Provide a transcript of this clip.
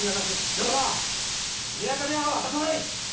でもな梅若部屋は渡さない！